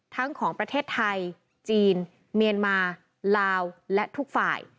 ของประเทศไทยจีนเมียนมาลาวและทุกฝ่าย